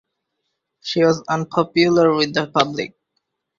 She was unpopular with the public.